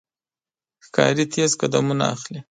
ښکاري تیز قدمونه اخلي.